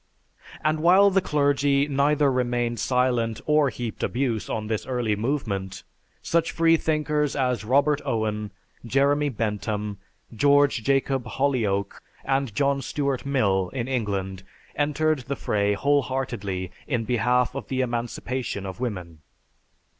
And while the clergy either remained silent or heaped abuse on this early movement, such freethinkers as Robert Owen, Jeremy Bentham, George Jacob Holyoake, and John Stuart Mill in England entered the fray wholeheartedly in behalf of the emancipation of woman.